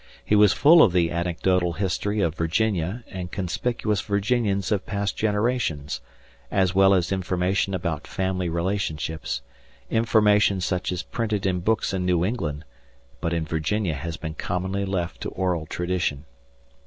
He was full of the anecdotal history of Virginia and conspicuous Virginians of past generations, as well as information about family relationships information such as is printed in books in New England, but in Virginia has been commonly left to oral tradition.